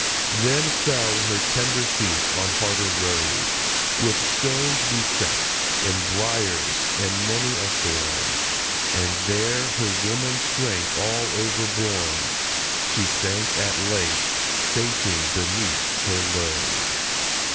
Then fell her tender feet on harder road, With stones beset and briers and many a thorn ; And there, her woman's strength all overborne, She sank at length, fainting beneath her load.